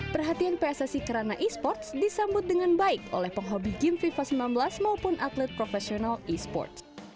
perhatian pssi kerana e sports disambut dengan baik oleh penghobi game fifa sembilan belas maupun atlet profesional e sports